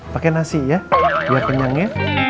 pake nasi ya biar kenyang ya